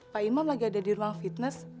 pak imam lagi ada di ruang fitness